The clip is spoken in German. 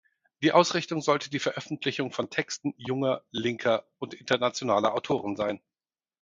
Die Ausrichtung sollte die Veröffentlichung von Texten junger, linker und internationaler Autoren sein.